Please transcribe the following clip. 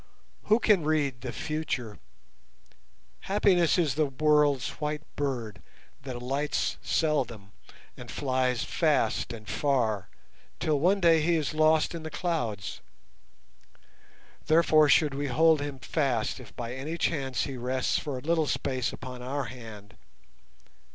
Who can read the future? Happiness is the world's White Bird, that alights seldom, and flies fast and far till one day he is lost in the clouds. Therefore should we hold him fast if by any chance he rests for a little space upon our hand.